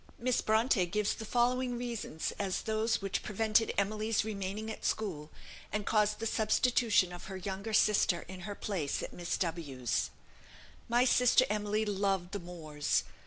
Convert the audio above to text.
Miss Bronte gives the following reasons as those which prevented Emily's remaining at school, and caused the substitution of her younger sister in her place at Miss W 's: "My sister Emily loved the moors.